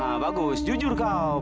haa bagus jujur kau